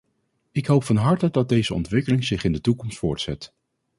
Ik hoop van harte dat deze ontwikkeling zich in de toekomst voortzet.